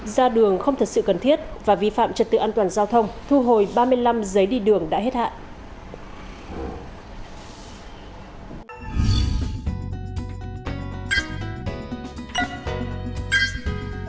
ra đường không thật sự cần thiết và vi phạm trật tự an toàn giao thông thu hồi ba mươi năm giấy đi đường đã hết hạn